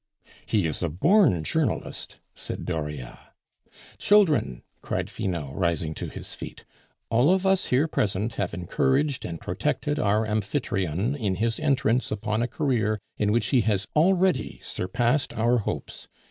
"He is a born journalist," said Dauriat. "Children!" called Finot, rising to his feet, "all of us here present have encouraged and protected our amphitryon in his entrance upon a career in which he has already surpassed our hopes.